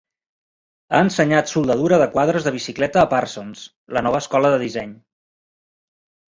Ha ensenyat soldadura de quadres de bicicleta a Parsons, la Nova Escola de Disseny.